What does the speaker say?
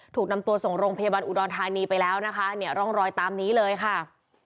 ถูกนำตัวส่งโรงพยาบาลอุดรธานีไปแล้วนะคะเนี่ยร่องรอยตามนี้เลยค่ะ